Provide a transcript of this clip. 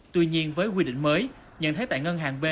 tuy nhiên với quy định mới nhận thấy tại ngân hàng b